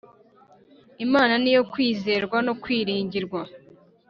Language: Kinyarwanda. Imana niyo kwizerwa no kwiringirwa